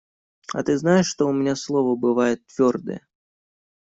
А ты знаешь, что у меня слово бывает твердое?